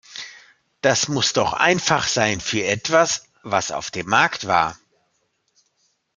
Das muss doch einfach sein für etwas, was auf dem Markt war!